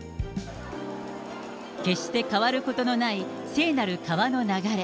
決して変わることのない聖なる川の流れ。